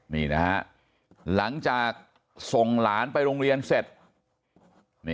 นี่นะฮะหลังจากส่งหลานไปโรงเรียนเสร็จ